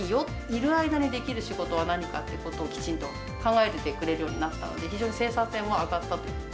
いる間にできる仕事は何かってことを、きちんと考えてくれるようになったので、非常に生産性も上がった。